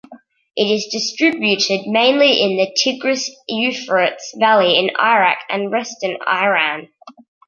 It is distributed mainly in the Tigris-Euphrates Valley in Iraq and western Iran.